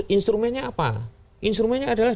instrumennya apa instrumennya adalah